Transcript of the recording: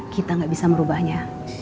kita gak bisa merubahnya